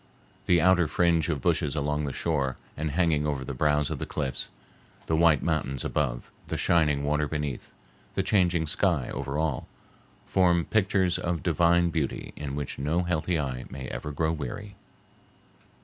The outer fringe of bushes along the shore and hanging over the brows of the cliffs, the white mountains above, the shining water beneath, the changing sky over all, form pictures of divine beauty in which no healthy eye may ever grow weary.